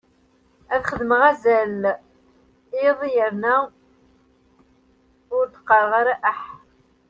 Ad xedmeɣ azal iḍ yerna ur d-qqareɣ ara aḥ.